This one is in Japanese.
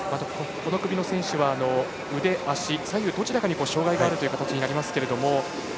この組の選手は腕と足、左右どちらかに障がいがある形になりますが。